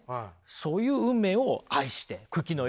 そういう運命を愛して九鬼のように。